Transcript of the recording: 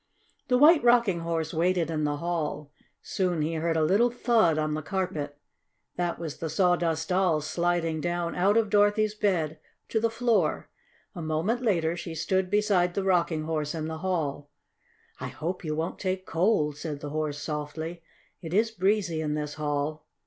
The White Rocking Horse waited in the hall. Soon he heard a little thud on the carpet. That was the Sawdust Doll sliding down out of Dorothy's bed to the floor. A moment later she stood beside the Rocking Horse in the hall. "I hope you won't take cold," said the Horse softly. "It is breezy in this hall."